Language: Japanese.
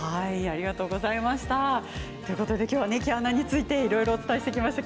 今日は毛穴についていろいろお伝えしていきました。